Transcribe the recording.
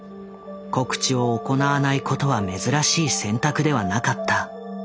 告知を行わないことは珍しい選択ではなかった。